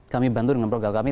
kami bantu dengan program kami